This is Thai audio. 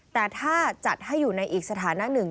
แต่ถ้าจัดให้อยู่ในอีกสถานะหนึ่ง